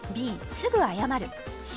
すぐ謝るＣ